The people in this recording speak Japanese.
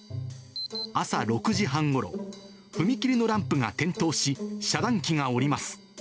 朝６時半ごろ、踏切のランプが点灯し、遮断機が下ります。